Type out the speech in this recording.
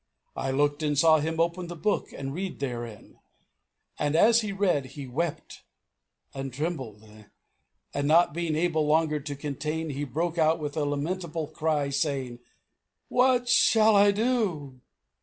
I looked and saw him open the book and read therein; and as he read he wept and trembled; and not being able longer to contain he broke out with a lamentable cry, saying, What shall I do?"